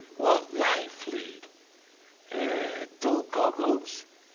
What life lead? eh, dull goggles?